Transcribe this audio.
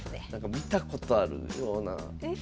見たことあるような。ですよね。